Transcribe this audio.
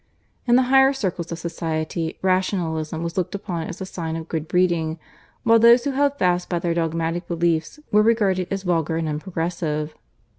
In the higher circles of society Rationalism was looked upon as a sign of good breeding, while those who held fast by their dogmatic beliefs were regarded as vulgar and unprogressive.